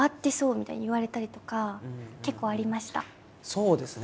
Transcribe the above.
そうですね